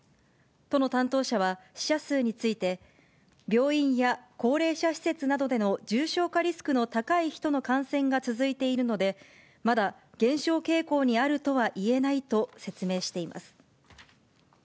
都の担当者は死者数について、病院や高齢者施設などでの重症化リスクの高い人の感染が続いているので、まだ減少傾向にあるとは言えないと説明しています。